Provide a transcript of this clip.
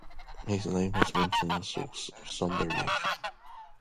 His name was mentioned in sources with some variations.